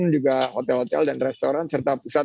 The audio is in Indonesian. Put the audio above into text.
juga hotel hotel dan restoran serta pusat